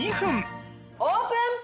オープン！